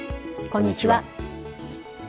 こんにちは。